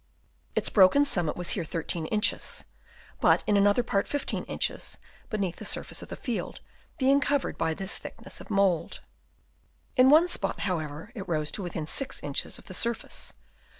Its broken summit was here 13 inches, but in another part 15 inches, beneath the surface of the field, being covered by this thickness of mould. In one spot, however, it rose to within 6 inches of the surface.